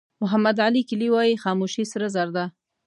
محمد علي کلي وایي خاموشي سره زر ده.